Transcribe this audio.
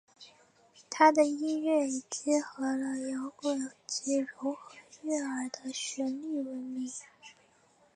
她的音乐以结合了摇滚及柔和悦耳的旋律闻名。